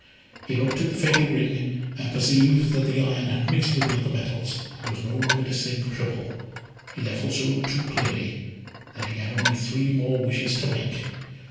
He looked at the fatal ring, and perceived that the iron had mixed with the other metals, and was no longer distinguishable, he therefore saw too clearly that he had only three more wishes to make.